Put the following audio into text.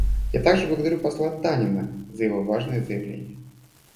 Я также благодарю посла Танина за его важное заявление.